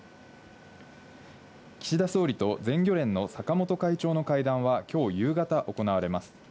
岸田総理と全漁連の坂本会長の会談はきょう夕方行われます。